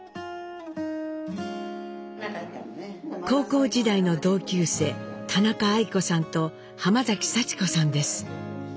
高校時代の同級生田中愛子さんと濱幸子さんです。